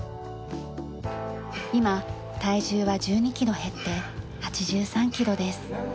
今体重は１２キロ減って８３キロです。